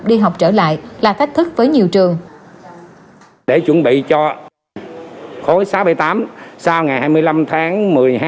đi học trở lại là thách thức với nhiều trường